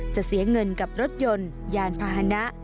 เสียเงินกับรถยนต์ยานพาหนะ